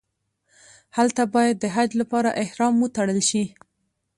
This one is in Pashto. هلته باید د حج لپاره احرام وتړل شي.